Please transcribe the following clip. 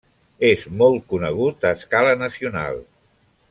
És molt conegut a escala nacional.